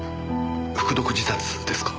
服毒自殺ですか。